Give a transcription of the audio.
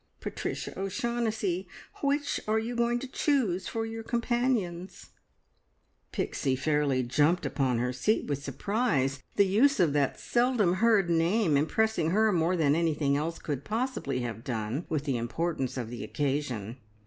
Patricia O'Shaughnessy, which are you going to choose for your companions?" Pixie fairly jumped upon her seat with surprise, the use of that seldom heard name impressing her more than anything else could possibly have done with the importance of the occasion.